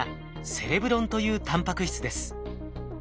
セレブロンというタンパク質です。